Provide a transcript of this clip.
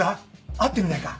会ってみないか？